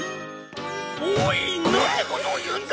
おい！なんてことを言うんだ！